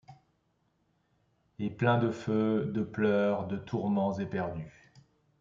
Et plein de feux, de pleurs, de tourments éperdus